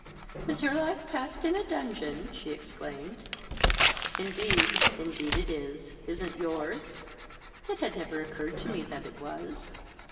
"Is your life passed in a dungeon?" she exclaimed. "Indeed, indeed, it is. Isn't yours?" "It had never occurred to me that it was."